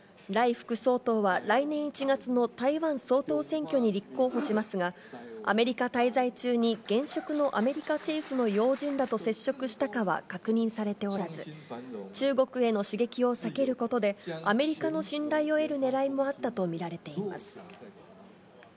副総統は来年１月の台湾総統選挙に立候補しますが、アメリカ滞在中に現職のアメリカ政府の要人らと接触したかは確認されておらず、中国への刺激を避けることで、アメリカの信頼を得るねらいもあったと見られています。